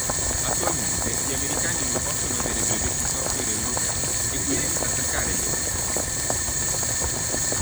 Attualmente gli Americani non possono avere brevetti software Europei e quindi attaccare gli Europei.